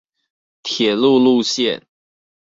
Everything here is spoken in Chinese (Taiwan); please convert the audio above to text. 鐵路路線